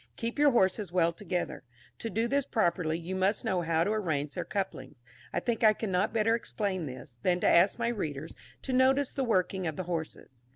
Keep your horses well together; to do this properly, you must know how to arrange their couplings. I think I cannot better explain this, than to ask my readers to notice the working of the horses.